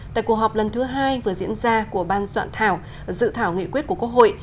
tại cuộc họp lần thứ hai vừa diễn ra của ban soạn thảo dự thảo nghị quyết của quốc hội